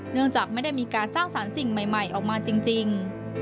เนื่องจากไม่ได้มีการสร้างสรรค์สิ่งใหม่ออกมาจริง